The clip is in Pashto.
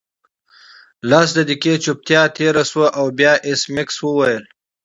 لس دقیقې چوپتیا تیره شوه او بیا ایس میکس وویل